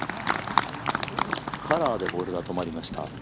カラーでボールが止まりました。